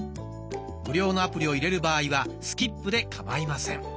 無料のアプリを入れる場合は「スキップ」でかまいません。